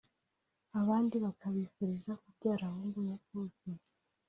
abandi bakabifuriza kubyara hungu na kobwa